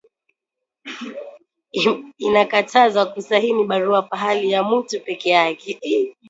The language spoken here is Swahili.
Inakatazwa ku sahini barua phali ya mutu peke yake